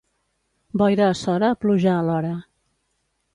Boira a Sora, pluja alhora.